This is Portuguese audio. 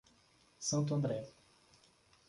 Santo André